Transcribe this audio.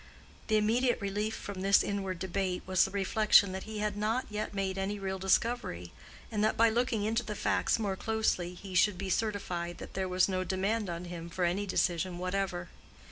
The immediate relief from this inward debate was the reflection that he had not yet made any real discovery, and that by looking into the facts more closely he should be certified that there was no demand on him for any decision whatever.